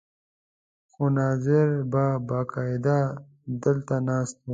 خو ناظر به باقاعده دلته ناست و.